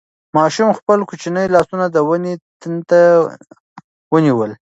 ماشوم خپل کوچني لاسونه د ونې تنې ته ونیول.